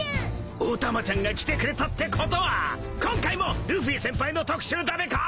お玉ちゃんが来てくれたってことは今回もルフィ先輩の特集だべか！？